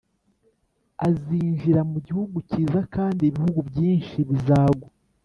azinjira mu Gihugu Cyiza kandi ibihugu byinshi bizagwa